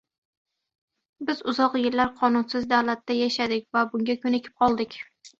Biz uzoq yillar qonunsiz davlatda yashadik va bunga ko‘nikib qoldik.